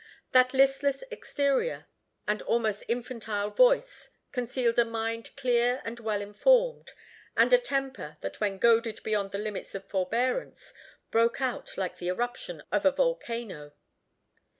That listless exterior, and almost infantile voice, concealed a mind clear and well informed, and a temper, that when goaded beyond the limits of forbearance, broke out like the eruption of a volcano.